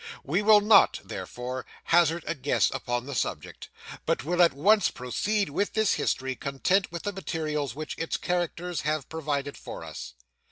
We will not, therefore, hazard a guess upon the subject, but will at once proceed with this history, content with the materials which its characters have provided for us.